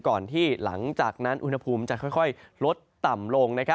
ก่อนที่หลังจากนั้นอุณหภูมิจะค่อยลดต่ำลง